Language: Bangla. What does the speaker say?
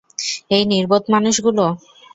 এই নির্বোধ মানুষগুলো?